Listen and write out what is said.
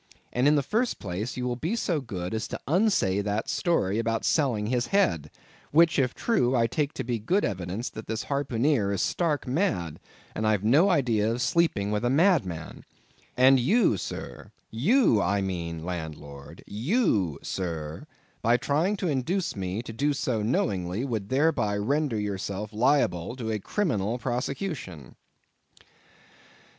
And in the first place, you will be so good as to unsay that story about selling his head, which if true I take to be good evidence that this harpooneer is stark mad, and I've no idea of sleeping with a madman; and you, sir, you I mean, landlord, you, sir, by trying to induce me to do so knowingly, would thereby render yourself liable to a criminal prosecution."